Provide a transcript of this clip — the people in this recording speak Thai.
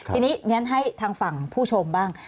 ทีนี้งั้นให้ทางฝั่งผู้ชมบ้าง